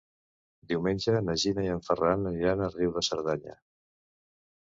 Diumenge na Gina i en Ferran aniran a Riu de Cerdanya.